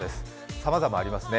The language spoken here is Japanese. さまざまありますね。